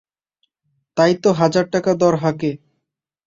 তাই তো হাজার টাকা দর হাঁকে!